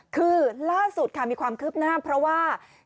คือล่าสุดค่ะมีความคืบหน้าเพราะว่า